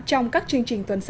trong các chương trình tuần sau